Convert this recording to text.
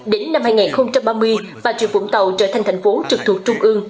đến năm hai nghìn ba mươi bà rịa vũng tàu trở thành thành phố trực thuộc trung ương